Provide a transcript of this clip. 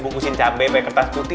bungkusin cabai pakai kertas putih